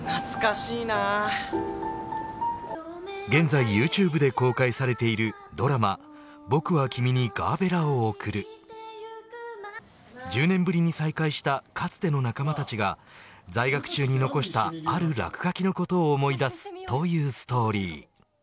現在、ユーチューブで公開されているドラマ、僕は君にガーベラを贈る１０年ぶりに再会したかつての仲間たちが在学中に残したある落書きの事を思い出すというストーリー。